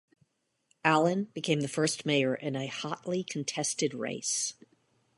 Allen became the first mayor in a hotly contested race.